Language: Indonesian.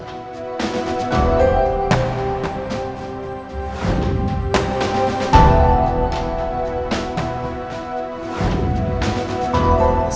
tidak ada apa apa